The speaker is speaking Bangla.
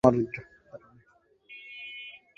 তাদের ভাষ্য মতে, ইয়াসরূন ছিলেন একজন বড় ও জ্ঞানী জ্যোতিষী।